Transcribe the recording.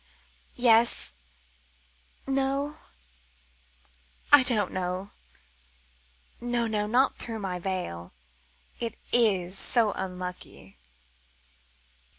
"Yes no I don't know.... No, no, not through my veil, it is so unlucky!"